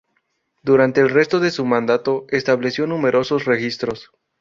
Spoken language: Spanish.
Durante el resto de su mandato, estableció numerosos registros.